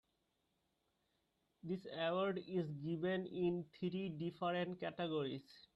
This award is given in three different categories.